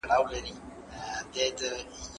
کتاب په خپله له موږ سره خبري کوي.